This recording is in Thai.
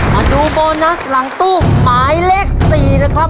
มาดูโบนัสหลังตู้หมายเลข๔นะครับ